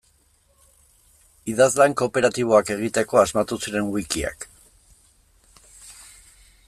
Idazlan kooperatiboak egiteko asmatu ziren wikiak.